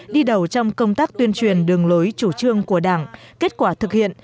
đi đầu trong công tác tuyên truyền đường lối chủ trương của đảng kết quả thực hiện